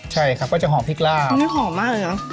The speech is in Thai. ใช่คือจะหอมพริกราบหอมมากเลยนะ